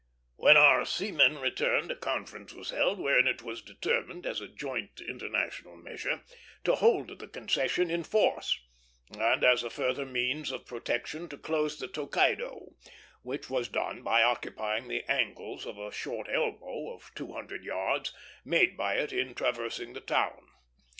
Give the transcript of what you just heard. When our seamen returned, a conference was held, wherein it was determined, as a joint international measure, to hold the concession in force; and as a further means of protection to close the Tokaido, which was done by occupying the angles of a short elbow, of two hundred yards, made by it in traversing the town.